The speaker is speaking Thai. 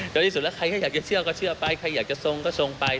โดยที่สุดแล้วใครก็อยากจะเชื่อก็เชื่อไปใครอยากจะทรงก็ทรงไป